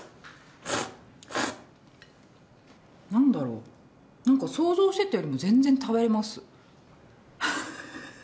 なんだろうなんか想像してたよりも全然食べられます。